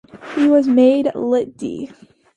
He was made Litt.D.